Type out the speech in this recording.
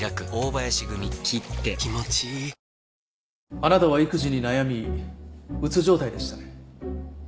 あなたは育児に悩み鬱状態でしたね。